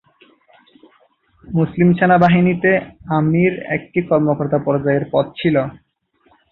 মুসলিম সেনাবাহিনীতে আমির একটি কর্মকর্তা পর্যায়ের পদ ছিল।